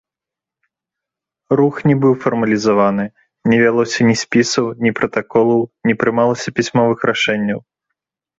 Рух не быў фармалізаваны, не вялося ні спісаў, ні пратаколаў, не прымалася пісьмовых рашэнняў.